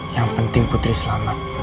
yang penting putri selamat